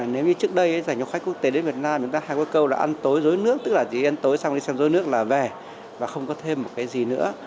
nếu như trước đây giải du khách quốc tế đến việt nam chúng ta hay có câu là ăn tối rối nước tức là gì ăn tối xong đi xem rối nước là về và không có thêm một cái gì nữa